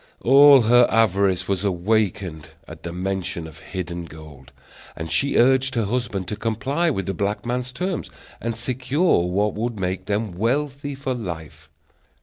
All her avarice was awakened at the mention of hidden gold, and she urged her husband to comply with the black man's terms, and secure what would make them wealthy for life.